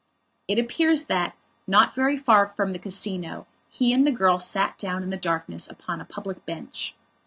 It appears that, not very far from the Casino, he and the girl sat down in the darkness upon a public bench.